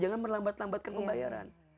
jangan melambat lambatkan pembayaran